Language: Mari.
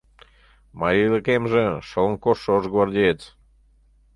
Марийлыкемже — шылын коштшо ош гвардеец...